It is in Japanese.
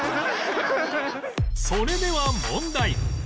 それでは問題